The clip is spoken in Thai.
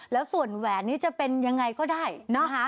แล้วส่วนแหวนนี้จะเป็นยังไงก็ได้นะคะ